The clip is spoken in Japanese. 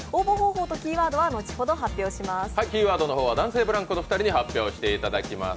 キーワードの方は男性ブランコのお二人に発表してもらいます。